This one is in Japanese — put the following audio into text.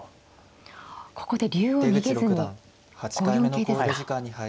ここで竜を逃げずに５四桂ですか。